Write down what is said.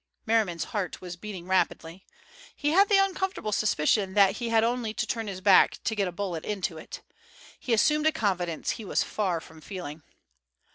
Merriman's heart was beating rapidly. He had the uncomfortable suspicion that he had only to turn his back to get a bullet into it. He assumed a confidence he was far from feeling.